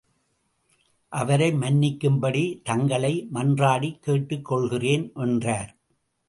அவரை மன்னிக்கும்படி தங்களை மன்றாடிக் கேட்டுக் கொள்கிறேன் என்றார்.